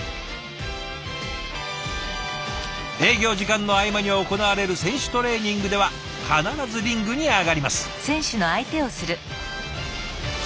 営業時間の合間に行われる選手トレーニングでは必ずリングに上がります。